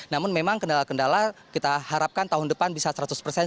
namun memang kendala kendala kita harapkan tahun depan bisa seratus persen